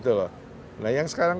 nah yang sekarang